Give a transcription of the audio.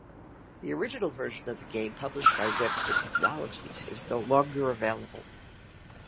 The original version of the game published by Webfoot Technologies is no longer available.